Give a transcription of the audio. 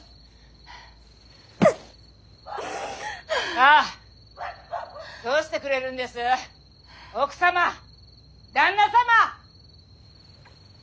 さあどうしてくれるんです奥様旦那様！